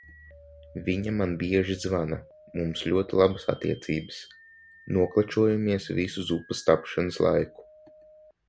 Viņa man bieži zvana, mums ļoti labas attiecības, noklačojamies visu zupas tapšanas laiku.